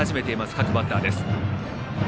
各バッターです。